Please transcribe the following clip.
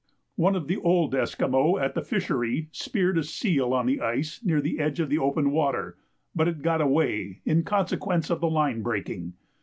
One of the old Esquimaux at the fishery speared a seal on the ice near the edge of the open water, but it got away in consequence of the line breaking.